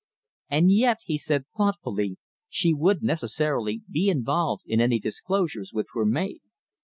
"And yet," he said thoughtfully, "she would necessarily be involved in any disclosures which were made."